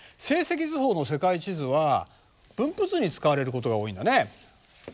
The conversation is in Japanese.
正積図法の世界地図は分布図に使われることが多いんだね。